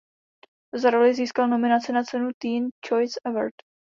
Za roli získal nominaci na cenu Teen Choice Award.